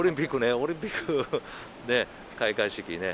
オリンピックね、開会式ね。